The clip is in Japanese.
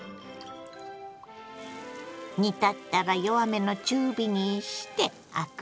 煮立ったら弱めの中火にしてアクを除き。